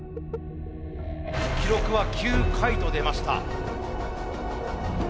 記録は９回と出ました。